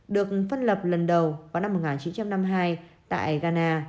được phân lập lần đầu vào năm một nghìn chín trăm năm mươi hai tại ghana